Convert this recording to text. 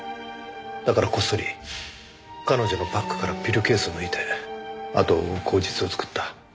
だからこっそり彼女のバッグからピルケースを抜いてあとを追う口実を作った。